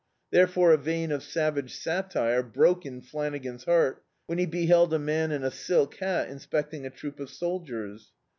Therefore a vein of savage satire brolce in Flanagan's heart when be beheld a man in a silk hat inspecting a troop of soldiers.